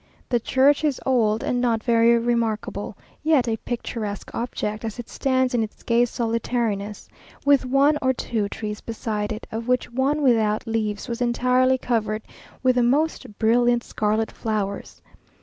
The church is old and not very remarkable, yet a picturesque object, as it stands in its gay solitariness, with one or two trees beside it, of which one without leaves was entirely covered with the most brilliant scarlet flowers.